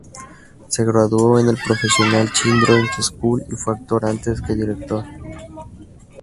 Se graduó en el Professional Children's School y fue actor antes que director.